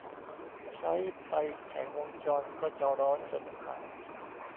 ใช้ไปแผงวงจรก็จะร้อนจนพัง